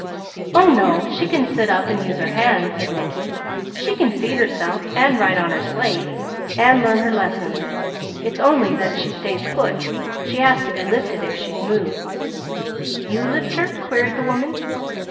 "Oh no! She can sit up and use her hands," said Mickey. "She can feed herself, write on her slate, and learn her lessons. It's only that she stays put. She has to be lifted if she's moved." "You lift her?" queried the woman.